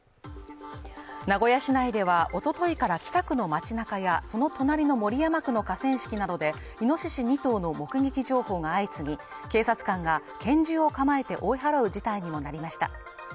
名古屋市内ではおとといから北区の街中やその隣の守山区の河川敷などでイノシシ２頭の目撃情報が相次ぎ警察官が拳銃を構えて追い払う事態にもなりました